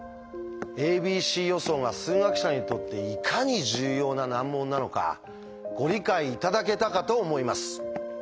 「ａｂｃ予想」が数学者にとっていかに重要な難問なのかご理解頂けたかと思います。